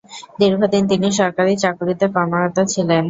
দীর্ঘদিন তিনি সরকারি চাকুরিতে কর্মরত ছিলেন।